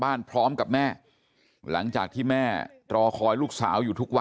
แล้วก็ยัดลงถังสีฟ้าขนาด๒๐๐ลิตร